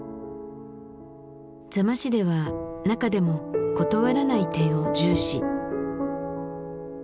座間市では中でも「断らない」点を重視。